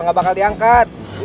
nggak bakal diangkat